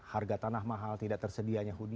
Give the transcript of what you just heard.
harga tanah mahal tidak tersedia nyahudin